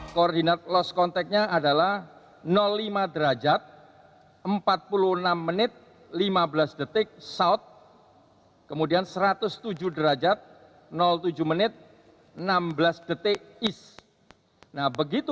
koordinat lost contact nya adalah lima derajat empat puluh enam menit lima belas detik south kemudian satu ratus tujuh derajat tujuh menit enam belas detik east nah begitu